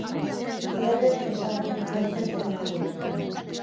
Halere, Zesarren konfidantza izaten jarraitu zuen.